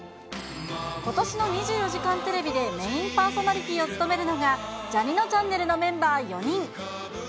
ことしの２４時間テレビでメインパーソナリティーを務めるのが、ジャにのちゃんねるのメンバー４人。